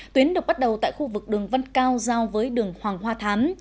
tuyến được bắt đầu tại khu vực đường văn cao giao với đường hoàng hoa thám